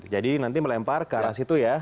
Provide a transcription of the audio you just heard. jadi nanti melempar ke arah situ ya